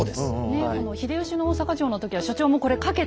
ねっこの秀吉の大坂城の時は所長もこれかけて。